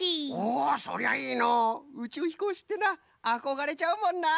おおそりゃいいのう！うちゅうひこうしってのはあこがれちゃうもんな。